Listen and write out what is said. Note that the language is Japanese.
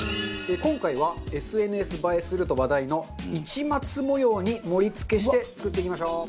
今回はＳＮＳ映えすると話題の市松模様に盛り付けして作っていきましょう。